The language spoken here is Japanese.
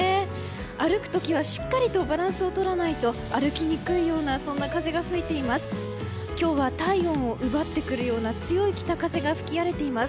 歩く時はしっかりとバランスとらないと歩きにくような風が吹いています。